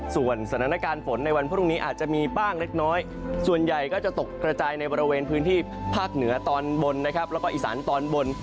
ส่วนสถานการณ์ฝนในวันพรุ่งนี้อาจจะมีบ้างเล็กน้อยส่วนใหญ่ก็จะตกกระจายในบริเวณพื้นที่ภาคเหนือตอนบนนะครับแล้วก็อีสานตอนบน